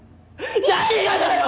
何がだよ！？